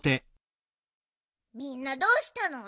みんなどうしたの？